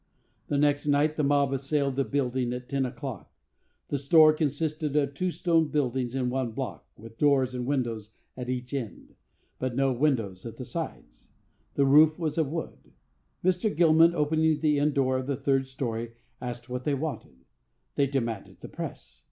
The next night the mob assailed the building at ten o'clock. The store consisted of two stone buildings in one block, with doors and windows at each end, but no windows at the sides. The roof was of wood. Mr. Gilman, opening the end door of the third story, asked what they wanted. They demanded the press.